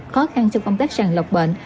khó khăn trong công tác sàn lọc bệnh